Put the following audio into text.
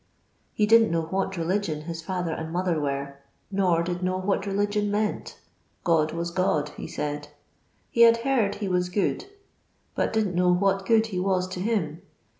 He didn't know what religion his father and mother were, nor did know what religion meant. God was Gk>d, he said. He had heard he was good, but didn't know what good he was to him.